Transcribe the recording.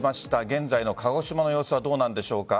現在の鹿児島の様子はどうなんでしょうか。